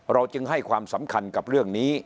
จึงให้ความสำคัญกับเรื่องนี้